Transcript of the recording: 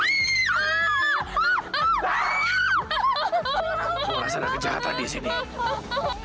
aku rasanya kejar tadi sih nih